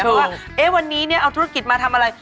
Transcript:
เพราะว่าวันนี้เอาธุรกิจมาทำอะไร